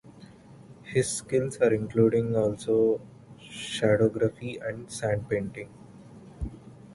His skills are including also shadowgraphy and sand painting.